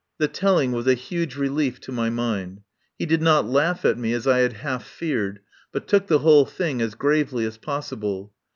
The telling was a huge relief to my mind. He did not laugh at me as I had half feared, but took the whole thing as gravely as possi ble.